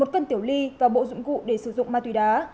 một cân tiểu ly và bộ dụng cụ để sử dụng ma túy đá